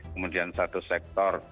kemudian satu sektor